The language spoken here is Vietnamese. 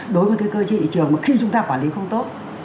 đối với cái cơ chế thị trường mà khi chúng ta quản lý không tốt